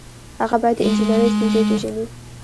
هغه باید د انجنیری ستونزې وپيژني.